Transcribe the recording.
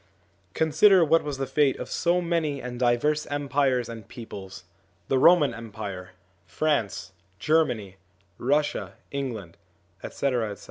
Consider what was the fate of so many and diverse empires and peoples : the Roman Empire, France, Germany, Russia, England, etc.